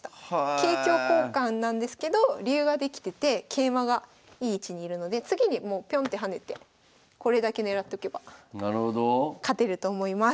桂香交換なんですけど竜ができてて桂馬がいい位置にいるので次にぴょんって跳ねてこれだけ狙っとけば勝てると思います。